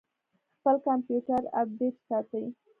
خپل کمپیوټر اپډیټ ساتئ؟